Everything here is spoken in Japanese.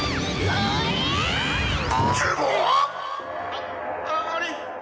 あああれ？